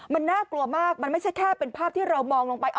มันน่ากลัวมากมันไม่ใช่แค่เป็นภาพที่เรามองลงไป